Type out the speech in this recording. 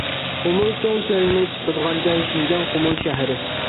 قۇمۇل چوڭ چىلىنى چىقىدىغان جاي شىنجاڭ قۇمۇل شەھىرى.